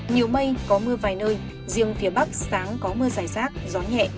nhiều mây có mưa vài nơi riêng phía bắc sáng có mưa dài rác gió nhẹ